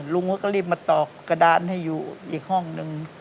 ลุงเขาก็รีบมาตอกกระดานให้อยู่อีกห้องนึง